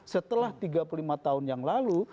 setelah tiga puluh lima tahun yang lalu